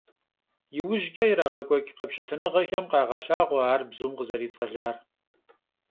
Иужькӏэ ирагъэкӏуэкӏ къэпщытэныгъэхэм къагъэлъагъуэ ар бзум къызэрицӏэлар.